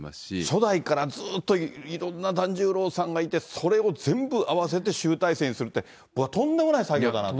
初代からずっといろんな團十郎さんがいて、それを全部合わせて集大成にするって、これはとんでもない作業だと。